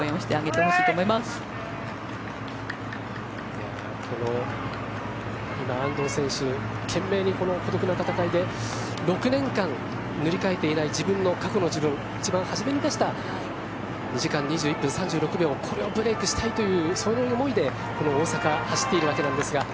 このいま、安藤選手懸命な孤独な闘いで６年間塗り替えていない自分の過去の自分一番初めに出した２時間２１分３６秒これをブレークしたいという思いでこの大阪走っているわけなんですが。